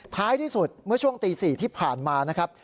ท้ายที่สุดเมื่อช่วงตี๔ที่ผ่านมานะครับ